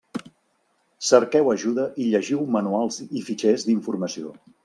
Cerqueu ajuda i llegiu manuals i fitxers d'informació.